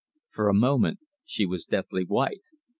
For a moment she was deathly white.